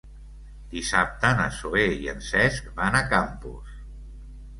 Dissabte na Zoè i en Cesc van a Campos.